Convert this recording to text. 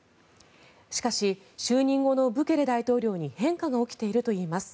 しかし就任後のブケレ大統領に変化が起きているといいます。